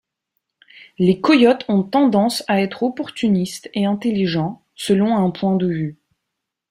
Les coyotes ont tendance à être opportunistes et intelligents, selon un point de vue.